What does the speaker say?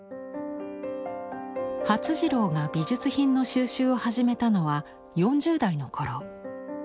發次郎が美術品の蒐集を始めたのは４０代の頃。